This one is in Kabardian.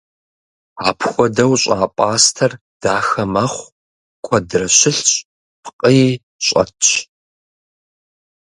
Апхуэдэу щӏа пӏастэр дахэ мэхъу, куэдрэ щылъщ, пкъыи щӏэтщ.